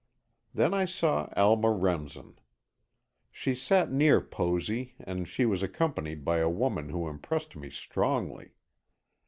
Then I saw Alma Remsen. She sat near Posy and she was accompanied by a woman who impressed me strongly.